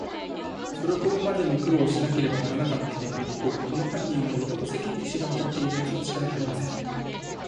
それほどまでの苦労をしなければならなかったのをみると、この犯人は、よほど世間に知れわたっているやつにちがいありません。